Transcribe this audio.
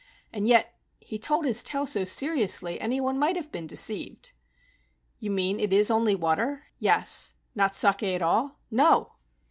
And yet he told his tale so seriously any one might have been deceived." "You mean it is only water ?" "Yes." "Not saki at all ?" "No."